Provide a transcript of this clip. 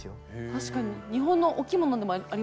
確かに日本のお着物でもありますよね？